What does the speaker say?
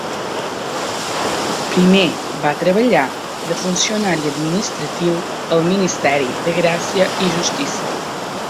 Primer va treballar de funcionari administratiu al Ministeri de gràcia i justícia.